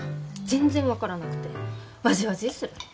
全然分からなくてわじわじーする。